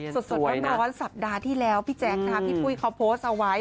สดร้อนสัปดาห์ที่แล้วพี่แจ๊คนะคะพี่ปุ้ยเขาโพสต์เอาไว้